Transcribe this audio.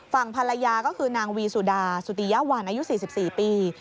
ฝั่งภรรยาก็คือนางวีสุดาสุติยะวันอายุ๔๔ปี